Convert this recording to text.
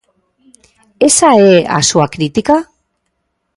¿Esa é a súa crítica?